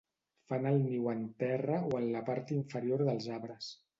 Fan el niu en terra o en la part inferior dels arbres.